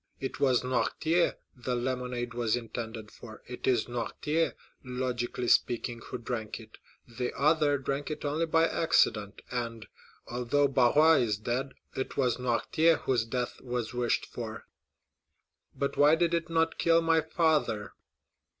It was Noirtier the lemonade was intended for—it is Noirtier, logically speaking, who drank it. The other drank it only by accident, and, although Barrois is dead, it was Noirtier whose death was wished for." "But why did it not kill my father?"